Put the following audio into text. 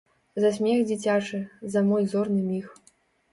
За смех дзіцячы, за мой зорны міг.